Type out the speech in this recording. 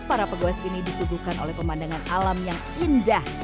para pegoes ini disuguhkan oleh pemandangan alam yang indah